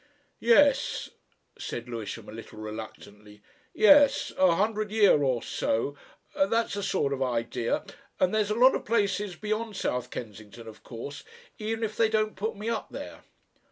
"Yes," said Lewisham a little reluctantly. "Yes. A hundred a year or so. That's the sort of idea. And there's lots of places beyond South Kensington, of course, even if they don't put me up there."